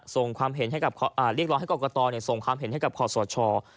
ที่ลองส่งคำเห็นให้ของคอสวชอศ